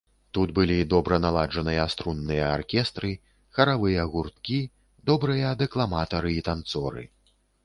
Тут былі добра наладжаныя струнныя аркестры, харавыя гурткі, добрыя дэкламатары і танцоры.